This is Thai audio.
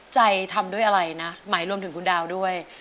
ใจทำด้วยอะไรนะหมายรวมถึงคุณดาวด้วย